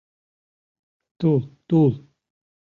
Тул, тул!